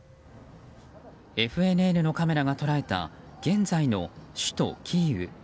ＦＮＮのカメラが捉えた現在の首都キーウ。